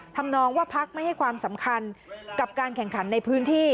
ทำนองว่าพักไม่ให้ความสำคัญกับการแข่งขันในพื้นที่